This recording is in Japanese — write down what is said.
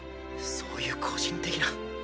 そういう個人的な